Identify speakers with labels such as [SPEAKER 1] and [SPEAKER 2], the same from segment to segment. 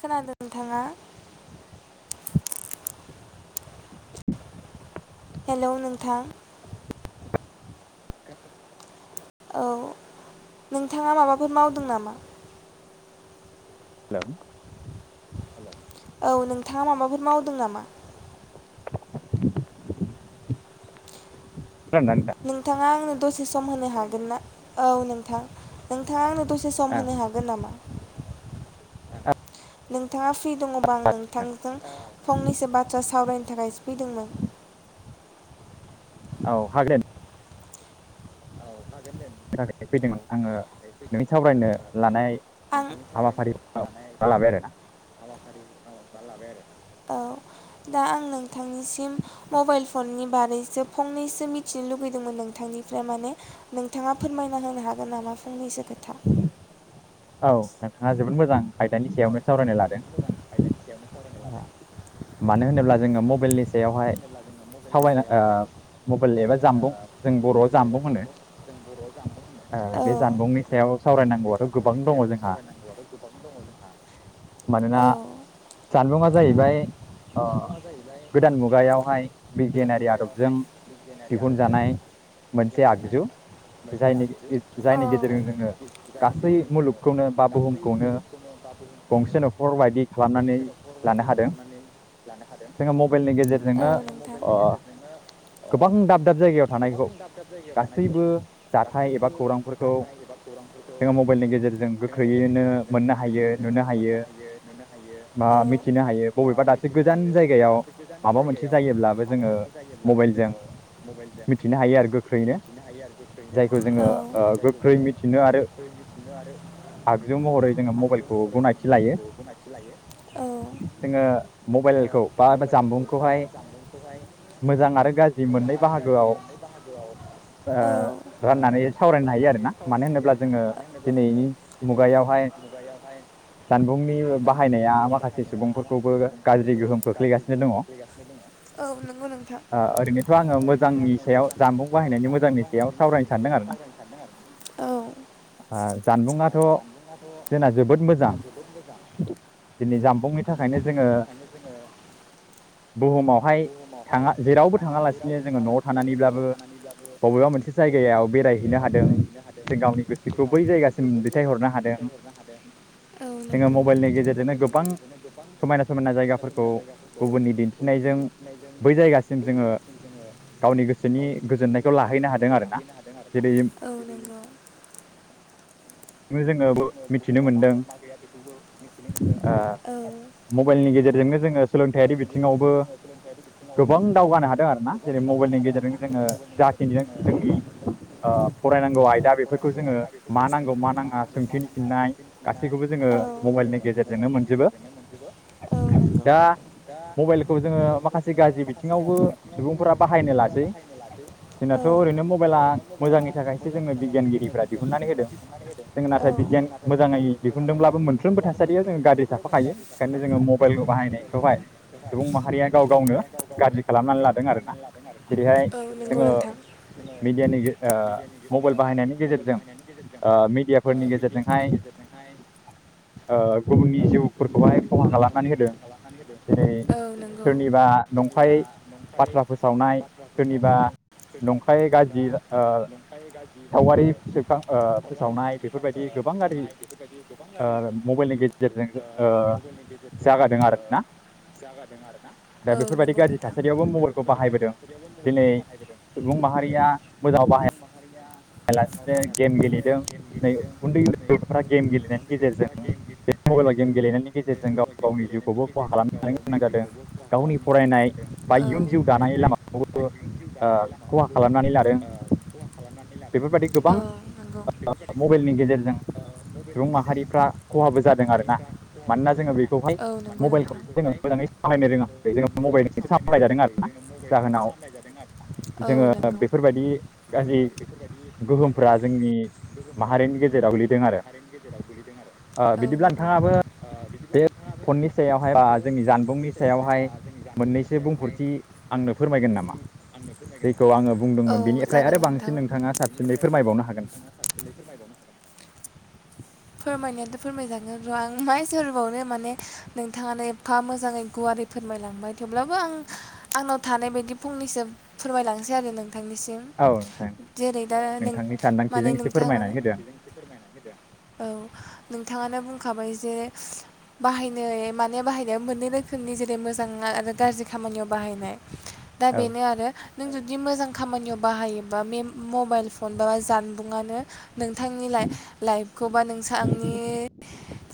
[SPEAKER 1] खोनादों नोंथाङा? हेलौ नोंथां। औ नोंथाङा माबाफोर मावदों नामा?
[SPEAKER 2] हेलौ
[SPEAKER 1] औ नोंथाङा माबाफोर मावदों नामा?
[SPEAKER 2] खोनादोंना नोंथां
[SPEAKER 1] नोंथाङा आंनो दसे सम होनो हागोन ना? औ नोंथां नोंथां नोंथाङा आनो दसे सम होनो
[SPEAKER 2] औ
[SPEAKER 1] हागोन नामा? नोंथाङा फ्रि दङ आं नोंथांजों फंनैसो बाथ्रा सावरायनो [unintelligible] फैदोंमोन
[SPEAKER 2] औ हागोन। [unintelligible] फैदोंमोन आङो नोंनि सावरायनो लानाय
[SPEAKER 1] आं
[SPEAKER 2] हाबाफारिखौ लाबाय आरोना
[SPEAKER 1] [unintelligible] [unintelligible] औ दा आं नोंथांनिसिम मबाइल फननि बारैसो फंनैसो मिथिनो लुुबैदोंमोन नोंथांनिफ्राय माने नोंथाङा फोरमायना होनो हागोन नामा? फंनैसो खोथा।
[SPEAKER 2] औ नोंथाङा जोबोद मोजां आयदानि सायावनो सावरायना लादों। मानो होनोब्ला जोङो मबेलनि सायावहाय सावरायनो ओ मबेलनि एबा जामबुं जों बर'आव जामबुं होनो
[SPEAKER 1] औ
[SPEAKER 2] ओ बे जामबुंनि सायाव सावरायनांगौ आंथ गोबां दङ जोंहा मानोना जामबुङा जाहैबाय। ओ गोदान मुगायावहाय बिगियानारि आदबजों दिहुनजानाय मोनसे आगजु जायनि गेजे जायनि गेजेरजों जोङो गासै मुलुगखौनो बा बुहुमखौनो गंसे न'खर बायदि खालामनानै लानो हादों जोङो मबाइलनि गेजेरजोंनो गोबां दाब दाब जायगायाव थानायखौ
[SPEAKER 1] दाब दाब जायगायाव थानायखौ
[SPEAKER 2] गासैबो जाथाय एबा
[SPEAKER 1] गासैबो
[SPEAKER 2] खौरांफोरखौ
[SPEAKER 1] जाथाय बा खौरांफोरखौ
[SPEAKER 2] जों गोख्रैयैनो
[SPEAKER 1] जों
[SPEAKER 2] मोननो हायो
[SPEAKER 1] गोखैयैनो
[SPEAKER 2] नुनो
[SPEAKER 1] मोननो हायो नुनो हायो।
[SPEAKER 2] थिनो हायो बबेबा दाबसे गोजान जायगायाव माबा मोनसे जायोब्लाबो जोङो
[SPEAKER 1] लाबो
[SPEAKER 2] मबाइलजों
[SPEAKER 1] जोङो मबाइलजों
[SPEAKER 2] मिथिनो हायो आरो गोख्रैनो जायखौ जोङो गोख्रै मिथिनो आरो आगजु महरै जोंङो मबेल [unintelligible]
[SPEAKER 1] [unintelligible] लायो औ
[SPEAKER 2] जोङो मबेलखौ बा जामबुंखौहाय मोजां आरो गाज्रि मोननै बाहागोआव ओ
[SPEAKER 1] [unintelligible] औ
[SPEAKER 2] राननानै सावरायनो हायो आरोना मानो होनोब्ला? जोङो
[SPEAKER 1] होनोब्ला जोङो
[SPEAKER 2] दिनैनि
[SPEAKER 1] दिनैनि
[SPEAKER 2] मुगायावहाय
[SPEAKER 1] मुगायावहाय
[SPEAKER 2] जानबुंनि
[SPEAKER 1] जामबुंनि
[SPEAKER 2] बाहायनाया माखासे
[SPEAKER 1] बाहायनाया
[SPEAKER 2] सुबुंफोरखौबो
[SPEAKER 1] माखासे
[SPEAKER 2] गाज्रि
[SPEAKER 1] सुबुंफोरखौबो
[SPEAKER 2] गोहोम
[SPEAKER 1] गाज्रि
[SPEAKER 2] खोख्लैगासिनो
[SPEAKER 1] गोहोम
[SPEAKER 2] दङ ओ
[SPEAKER 1] खोख्लैगासिनो दं औ नंगौ नोंथां
[SPEAKER 2] ओरैनोथ'
[SPEAKER 1] ओ
[SPEAKER 2] आङो
[SPEAKER 1] ओरैनोथ'
[SPEAKER 2] मोजांनि
[SPEAKER 1] आङो
[SPEAKER 2] सायाव
[SPEAKER 1] मोजांनि
[SPEAKER 2] जानबुं
[SPEAKER 1] सायाव
[SPEAKER 2] बाहायनायनि
[SPEAKER 1] जानबुं
[SPEAKER 2] मोजांनि सायाव
[SPEAKER 1] बाहायनायनि
[SPEAKER 2] सावरायनो
[SPEAKER 1] मोजांनि
[SPEAKER 2] सानदों
[SPEAKER 1] सायाव
[SPEAKER 2] आरोना
[SPEAKER 1] सावरायनो औ
[SPEAKER 2] ओ जानबुंङाथ' जोंना जोबोद मोजां दिनै जानबुंनि थाखायनो जोङो बुहुमावहाय थाङा जेरावबो थाङालासिनो जोङो न'आव थानानैब्लाबो बबेबा मोनसे जायगायाव बेराय
[SPEAKER 1] जागायाव बेरायहैनो हादों। ज गावनि
[SPEAKER 2] जायगासिम
[SPEAKER 1] गोसोखौ बै जायगासिम
[SPEAKER 2] दैथायहरनो
[SPEAKER 1] दि
[SPEAKER 2] हादों
[SPEAKER 1] दैथायहरनो हादों औ
[SPEAKER 2] जोङो
[SPEAKER 1] नंगौ
[SPEAKER 2] मबाइलनि
[SPEAKER 1] जोङो
[SPEAKER 2] गेजेरजोंनो
[SPEAKER 1] मबाइलनि
[SPEAKER 2] गोबां
[SPEAKER 1] गेजेरजोंनो गोबां
[SPEAKER 2] समायना
[SPEAKER 1] समायना
[SPEAKER 2] जायगाफोरखौ
[SPEAKER 1] समायना जायगाफोरखौ
[SPEAKER 2] गुबुननि
[SPEAKER 1] गुबुननि
[SPEAKER 2] दिन्थिनायजों
[SPEAKER 1] दिन्थिनायजों
[SPEAKER 2] बै जायगासिम
[SPEAKER 1] बै
[SPEAKER 2] जोङो
[SPEAKER 1] जायगासिम जोङो
[SPEAKER 2] गावनि गोसोनि
[SPEAKER 1] गावनि गोसोनि
[SPEAKER 2] गोजोननायखौ लाहैनो हादों
[SPEAKER 1] गोजोननायखौ
[SPEAKER 2] आरोना
[SPEAKER 1] लाहैनो हादों आरोना।
[SPEAKER 2] जेरै
[SPEAKER 1] औ नंगौ। जोङो
[SPEAKER 2] मिथिनो
[SPEAKER 1] बुहुमाव मा
[SPEAKER 2] मोनदों
[SPEAKER 1] दं मा गैया बेखौबो मिथिनो
[SPEAKER 2] ओ
[SPEAKER 1] मोनदों
[SPEAKER 2] मबाइलनि गेजेरजोंनो जोङो सोलोंथायारि
[SPEAKER 1] मबाइलनि
[SPEAKER 2] बिथिङावबो
[SPEAKER 1] गेजेरजोंनो जोङो सोलोंथायारि बिथिङावबो
[SPEAKER 2] गोबां दावगानो हादों आरोना
[SPEAKER 1] गोबां
[SPEAKER 2] जेरै मबाइलनि
[SPEAKER 1] दावगानो हादों आरो
[SPEAKER 2] गेजेरजों
[SPEAKER 1] ना
[SPEAKER 2] जोङो
[SPEAKER 1] ज मबाइलनि गेजेरजों
[SPEAKER 2] जाखिनि
[SPEAKER 1] जोङो
[SPEAKER 2] जोंनि
[SPEAKER 1] गियान मोनदों।
[SPEAKER 2] ओ फरायनांगौ आयदा बे सोंथिनि फिननाय
[SPEAKER 1] औ
[SPEAKER 2] गासैखौबो जोङो मबाइलनि गेजेरजोंनो मोनजोबो
[SPEAKER 1] औ
[SPEAKER 2] दा मबाइलखौ जोङो माखासे गाज्रि बिथिङावबो
[SPEAKER 1] नंगौ
[SPEAKER 2] सुबुंफोरा बाहायनो लासै जोंनाथ' ओरैनो मबाइला
[SPEAKER 1] औ
[SPEAKER 2] मोजांनि थाखायसो जोङो बिगियान बिगियान मोजाङै दिहुनदोंब्लाबो मोनफ्रोमबो थासारियाव जोङो गाज्रि थाफाखायो ओंखायनो जोङो मबाइल बाहायनायखौहाय सुबुं माहारिया गाव गावनो गाज्रि खालामनानै लादों आरोना जेरैहाय
[SPEAKER 1] औ औ नंगौ
[SPEAKER 2] जोङो
[SPEAKER 1] नोंथां
[SPEAKER 2] मिडियानि ओ मबाइल बाहायनायनि गेजेरजों ओ मिडियाफोरनि गेजेरजोंहाय ओ गुबुननि जिउफोरखौहाय खहा खालामनानै होदों जेरै
[SPEAKER 1] औ नंगौ
[SPEAKER 2] सोरनिबा नंखाय बाथ्रा फोसावनाय सोरनिबा नंखाय गाज्रि ओ
[SPEAKER 1] नंखाय गाज्रि ओ
[SPEAKER 2] सावगारि सेबखां ओ फोसावनाय बेफोरबायदि गोबां गाज्रि ओ मबाइलनि
[SPEAKER 1] औ
[SPEAKER 2] गेजेरजों ओ जागादों आरोना दा
[SPEAKER 1] नंगौ
[SPEAKER 2] बेफोरबायदि गाज्रि थासारियावबो मबाइलखौ बाहायबोदों दिनै सुबुं माहारिया
[SPEAKER 1] नोंथां सुबुं माहारिया मोजां
[SPEAKER 2] बिदिनो गेम गेलेदों नै उन्दै उन्दै गथ'फोरा गेम गेलेनायनि गेजेरजों बे मबाइलाव गेम गेलेनायनि गेजेरजों गाव गावनि जिउखौबो खहा खालामनानै लानो गोनां जादों गावनि फरायनाय बा
[SPEAKER 1] औ
[SPEAKER 2] इयुन जिउ दानाय लामाखौबो ओ खहा खालामनानै लादों।
[SPEAKER 1] ओ खहा खालामनानै
[SPEAKER 2] बेफोरबायदि
[SPEAKER 1] लादों। औ
[SPEAKER 2] गोबां
[SPEAKER 1] नंगौ औ
[SPEAKER 2] मबाइलनि गेजेरजों सुबुं माहारिफ्रा खहाबो जादों आरोना मानोना जोङो बेखौहाय
[SPEAKER 1] नंगौ नोंथां
[SPEAKER 2] मबाइलखौ जोङो मोजाङै सामलायनो रोङाखै जोङो मबाइलजोंसो सामलायजादों आरो जाहोनाव
[SPEAKER 1] औ नंगौ
[SPEAKER 2] बायदि गाज्रि गोहोमफ्रा जोंनि माहारिनि गेजेराव गोलैदों आरो ओ
[SPEAKER 1] औ
[SPEAKER 2] बिदिब्ला
[SPEAKER 1] नंगौ
[SPEAKER 2] नोंथाङाबो बे फननि सायावहाय बा जोंनि जानबुंनि सायावहाय मोननैसो बुंफोरथि आंनो फोरमायगोन नामा? जेखौ आङो बुंदोंमोन
[SPEAKER 1] औ
[SPEAKER 2] बेनिफ्राय आरो बांसिन नोंथाङा साबसिनै फोरमायबावनो हागोन नामा?
[SPEAKER 1] फोरमायनायाथ' फोरमायजागोन र' आं मा एनसारबावनो माने नोंथाङानो एफा मोजाङै गुवारै फोरमायलांबाय थेवब्लाबो आं आंनाव थानाय बायदि फंनैसो फोरमायलांनोसै आरो नों थांनिसिम
[SPEAKER 2] औ नोंथां दे
[SPEAKER 1] जेरै दा नों
[SPEAKER 2] नोंथांनि
[SPEAKER 1] माने
[SPEAKER 2] सानदांथिजों एसे
[SPEAKER 1] नोंथाङानो
[SPEAKER 2] फोरमायनानै होदो आंनो
[SPEAKER 1] औ। नोंथाङानो बुंखाबाय जे बाहायनाय माने बाहायनायाव मोननै रोखोमनि जेरै मोजां आरो गाज्रि खामानियाव बाहायनाय। दा
[SPEAKER 2] औ
[SPEAKER 1] बेनो आरो नों जुदि मोजां खामानियाव बाहायोबा मे मबाइल फन बा जानबुंङानो नोंथांनि लाइ लाइफखौ नोंसांनि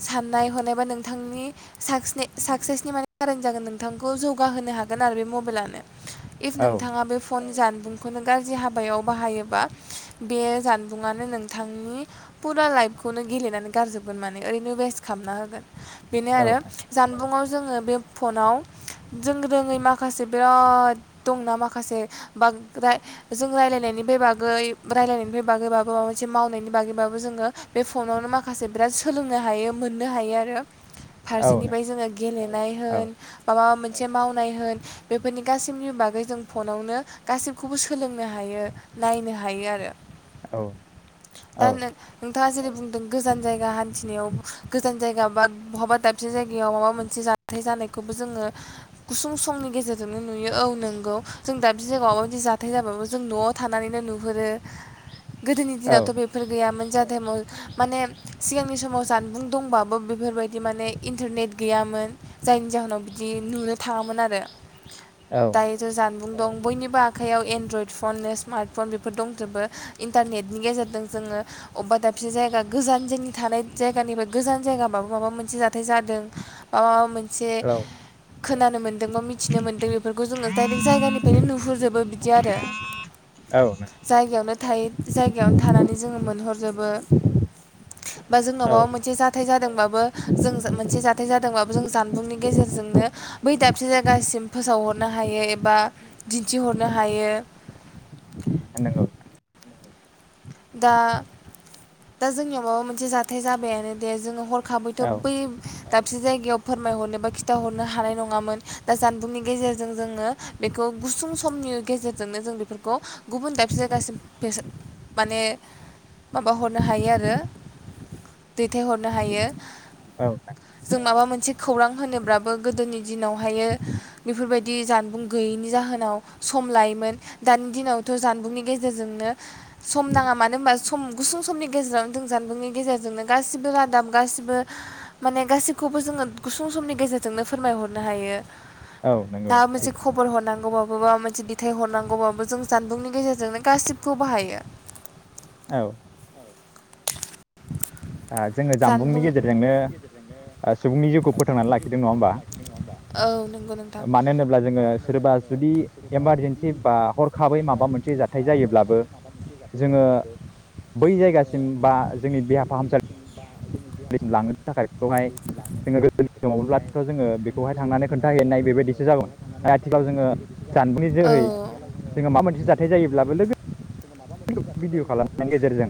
[SPEAKER 1] सा नायहरनायबा नोंथांनि साकनि साक्सेसनि माने कारन जागोन नोंथांखौ जौगाहोनो हागोन आरो बे मबाइलानो। इफ
[SPEAKER 2] औ
[SPEAKER 1] नोंथाङा बे फन जानबुं बेखौनो गाज्रि हाबायाव बाहायोबा। बे जानबुंङानो नोंथांनि फुरा लाइफखौनो गेलेनानै गारजोबगोन माने ओरैनो वेस्ट खालामना होगोन। बेनो
[SPEAKER 2] औ
[SPEAKER 1] आरो जानबुंआव जोङो बे फनाव जों रोङै माखासे बिराद दंना माखासे बा जों रायजलायनायनिफ्राय बागै रायलायनायनिफ्राय बागैबाबो माबा मोनसे मावनायनि बागैबाबो जोङो बे फनावनो माखासे बिराद सोलोंनो हायो मोननो हायो आरो।
[SPEAKER 2] औ नों
[SPEAKER 1] फारसेनिफ्राय जोङो गेलेनाय
[SPEAKER 2] औ
[SPEAKER 1] होन मााबा मोनसे मोनसे मावनाय होन बेफोरनि गासिबनिबो बागै जों फनावनो गासि खौबो सोलोंनो हायो नायनो हायो आरो।
[SPEAKER 2] औ औ
[SPEAKER 1] दा नोंथाङा जेरै बुंदों गोजान जायगा हान्थिनायाव गोजान जायगा बा बहाबा दाबसे जायगायाव माबा मोनसे जाथाय जानायखौबो जोङो गुसुं समनि गेजेरजोंनो नुयो औ नोंगौ जों दाबसे जायगायाव बिदि जाथाय जाबाबो जों न'आव थानानैनो नुहुरो। गोदोनि दिनावथ' बेफोर गैयामोन जा थाइमाव माने सिगांनि समाव जानबुं दंबाबो बेफोरबायदि माने इन्टारनेट गैयामोन जायनि जाहोनाव बिदि नुनो थाङामोन आरो। दायोथ' जानबुं दं बयनिबो आखायाव एनड्रयड फननो स्मार्ट फन बेफोर दंजोबो इन्टारनेटनि गेजेरजों जोङो अबेबा दाबसे जायगा गोजान जोंनि थानाय जायगानिफ्राय गोजान जायगाबाबो माबा मोनसे जाथाय जादों बा माबा मोनसे एसे
[SPEAKER 2] औ
[SPEAKER 1] खोनानो मोनदों बा मिथिनो मोनदों बेफोरखौ जोङो डाइरेक्ट जायगानिफ्रायनो नुहुरजोबो बिदि आरो जाइगायावनो थायो जाइगायावनो थानानै जोङो मोनहरजोबो बा जोंनाव
[SPEAKER 2] औ
[SPEAKER 1] माबा मोनसे जाथाय जादोंबाबो जों मोनसे जाथाय जादों औ बाबु जों जानबुंनि गेजेरजोंनो बै दाबसे जायगासिम फोसावहरनो हायो एबा दिनथि हरनो हदनो हायो।
[SPEAKER 2] [unintelligible]
[SPEAKER 1] दा दा जोंनियाव माबा मोनसे जाथाय जाबायानो दे जोङो हर हरखाबैथ'
[SPEAKER 2] औ
[SPEAKER 1] बै दाबसे जायगायाव फोरमायहरनो बा खिन्थाहरनो हानाय नङामोन दा जानबुंनि गेजेरजों जोङो बेखौ गुसुं समनि गेजेरजोंनो जों बेफोरखौ गुबुन दाबसे जायगासिम माने माबा हरनो हायो आरो दैथायहरनो हायो
[SPEAKER 2] औ
[SPEAKER 1] जों माबा मोनसे खौरां होनोब्लाबो गोदोनि दिनावहायो बेफोरबायदि बि जानबुं गैयैनि जाहोनाव सम लायोमोन दानि दिनावथ' जानबुंनि गेजेरजोंनो सम नाङा मानो होनबा सम गुसुं समनि गेजेरावनो जों जानबुंनि गेजेरजोंनो गासिबो रादाब गासिबो माने गासिखौबो जोङो गुसुं समनि गेजेरजोंनो फोरमायहरनो हायो।
[SPEAKER 2] नंगौ औ नंगौ औ औ नंगौ
[SPEAKER 1] दा
[SPEAKER 2] नोंथां
[SPEAKER 1] मोनसे
[SPEAKER 2] थिग
[SPEAKER 1] खबर हरनां अबावबाबा माबा मोनसे ब हरनांगौबाबो जों जानबुंनि गेजेरजोंनो गासिबखौबो बाहायो।
[SPEAKER 2] औ जोङो जामबुंनि
[SPEAKER 1] जानबुं
[SPEAKER 2] गेजेरजोंनो सुबुंनि जिउखौ फोथांनानै लाखिदों नङा होमबा?
[SPEAKER 1] औ नंगौ नोंथां
[SPEAKER 2] मानो होनोब्ला जोङो सोरबा जुदि इमारजेन्सि बा हरखाबै माबा मोनसे जाथाय जायोब्लाबो जोङो बै जायगासिम बा जोंनि फाहामसा [unintelligible] लांनो थाखाय बेखौहाय जोङो गोदोनि समब्लाथ जोङो बेखौहाय थांनानै खोन्थाहैनाय बेबायदिसो जागौमोन आरो आथिखालाव जोङो
[SPEAKER 1] औ
[SPEAKER 2] जानबुंनि जोहै जोङो माबा मोनसे जाथाय जायोब्लाबो लोगो भिडिय खालामनायनि गेजेरजों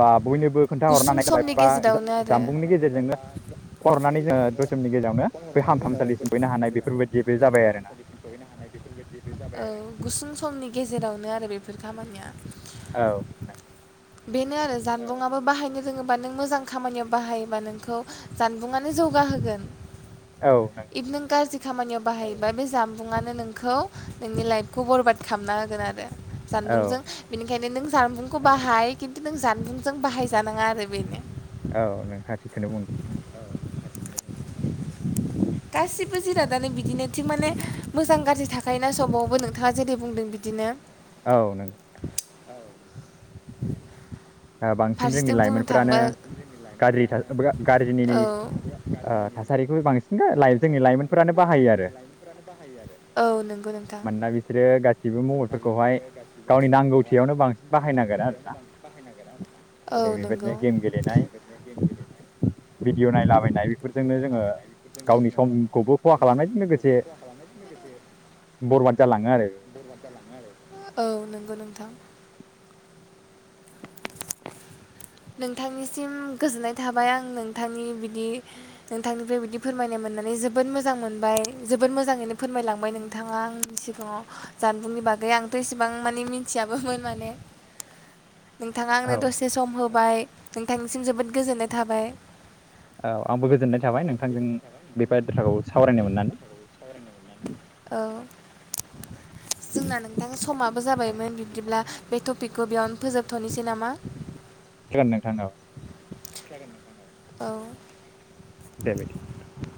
[SPEAKER 2] बा बयनोबो खोन्थाहरनो हानाय जाबाय।
[SPEAKER 1] नि
[SPEAKER 2] बा
[SPEAKER 1] गेजेरावनो आरो
[SPEAKER 2] जानबुंनि गेजेरजोंनो हरनानै जोङो दसे समनि गेजेरावनो बे हामथामसालिसिम फैनो हानाय बेफोरबायदि बे जाबाय आरोना
[SPEAKER 1] औ गुसुं समनि गेजेरावनो आरो बेफोर खामानिया
[SPEAKER 2] औ
[SPEAKER 1] बेनो आरो जामबुंआबो बाहायनो रोङोबा नों मोजां खामानियाव बाहायोबा नोंखौ जानबुंआनो जौगाहोगोन
[SPEAKER 2] औ नंगौ
[SPEAKER 1] [unintelligible] नों गाज्रि खामानियाव बाहायोबा बे जामबुंङानो नोंखौ नोंनि लाइफखौ बरबाद खालामना होगोन आरो
[SPEAKER 2] औ
[SPEAKER 1] जानबुंजों बेनिखायनो नों जानबुंखौ बाहाय खिन्थु नों जानबुंजों बाहायजानाङा आरो बेनो
[SPEAKER 2] औ नोंथाङा थिगखौनो बुंदों
[SPEAKER 1] गासिबो जिरादानो बिदिनो थिग माने मोजां गाज्रि थाखायोना सबावबो नोंथाङा जेरै बुंदों बिदिनो
[SPEAKER 2] औ नंगौ नोंथां
[SPEAKER 1] औ
[SPEAKER 2] ओ बांसिन जोंनि लाइमोनफोरानो गाज्रि थास गाज्रिनि
[SPEAKER 1] औ
[SPEAKER 2] ओ थासारिखौबो बांसिन [unintelligible] लाइ जोंनि लाइमोनफोरानो बाहायो आरो
[SPEAKER 1] बाहायो आरो औ नंगौ नोंथां
[SPEAKER 2] मानोना बिसोरो गासिबो
[SPEAKER 1] मोनोना
[SPEAKER 2] मबाइलफोरखौहाय
[SPEAKER 1] बिसोरो गासिबो
[SPEAKER 2] गावनि
[SPEAKER 1] मबेलफोरखौहाय
[SPEAKER 2] नांगौथियावनो बांसिन
[SPEAKER 1] गावनि
[SPEAKER 2] बाहायनांगोन
[SPEAKER 1] नांगौथियावनो
[SPEAKER 2] आरोना
[SPEAKER 1] बांसिन बाहाय नांगोन आरो
[SPEAKER 2] जेरै
[SPEAKER 1] औ
[SPEAKER 2] बेबायदिनो
[SPEAKER 1] नंगौ
[SPEAKER 2] गेम भिदिअ नायलाबाय नाय बेफोरजोंनो जोङो गावनि समखौबो खहा खालामनायजों लोगोसे बरबाद जालाङो आरो बेबायदिनो
[SPEAKER 1] [unintelligible] औ नंगौ नोंथां नोंथांनिसिम गोजोननाय थाबाय आं नोंथांनि बिदि नोंथांनिफ्राय बिदि फोरमायनाय मोननानै जोबोद मोजां मोनबाय जोबोद मोजाङैनो फोरमायलांबाय नोंथाङा आंनि सिगाङाव जानबुंनि बागै आंथ इसिबां माने मिथियाबोमोन माने। नोंथाङा
[SPEAKER 2] औ
[SPEAKER 1] आंनो दसे सम होब बाय नोंथांनिसिम जोबोद गोजोननाय थाबाय।
[SPEAKER 2] आंबो गोजोननाय
[SPEAKER 1] औ
[SPEAKER 2] थाबाय
[SPEAKER 1] आंबो
[SPEAKER 2] नोंथांजों
[SPEAKER 1] गोजोननाय थाबाय
[SPEAKER 2] बेफोर
[SPEAKER 1] नोंथांजों
[SPEAKER 2] बाथ्राखौ सावरायनो
[SPEAKER 1] बेबायदि
[SPEAKER 2] मोननानै
[SPEAKER 1] खोथाखौ सावरायनो मोननानै औ [inaudible] जोंना नोंथां समाबो जाबायमोन बिब्दिब्ला बे टपिकखौ बेयावनो फोजोबथनोसै नामा
[SPEAKER 2] जागोन नोंथां [unintelligible]
[SPEAKER 1] औ
[SPEAKER 2] दे बिदिब्ला नोंथां।